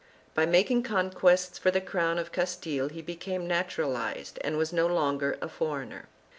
By making conquests for the crown of Castile he became natural ized and was no longer a foreigner.